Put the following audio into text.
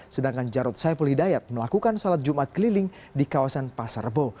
sedangkan jarod saiful hidayat melakukan sholat jumat keliling di kawasan pasar rebo